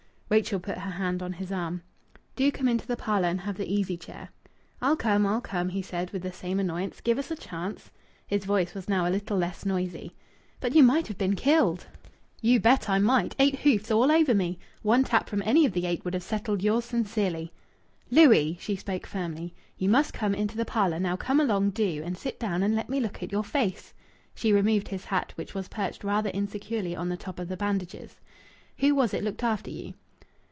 Rachel put her hand on his arm. "Do come into the parlour and have the easy chair." "I'll come I'll come," he said, with the same annoyance. "Give us a chance." His voice was now a little less noisy. "But you might have been killed!" "You bet I might! Eight hoofs all over me! One tap from any of the eight would have settled yours sincerely." "Louis!" She spoke firmly. "You must come into the parlour. Now come along, do, and sit down and let me look at your face." She removed his hat, which was perched rather insecurely on the top of the bandages. "Who was it looked after you?"